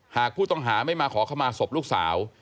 หากผู้ต้องหาไม่มาขอเข้ามาศพลูกสาว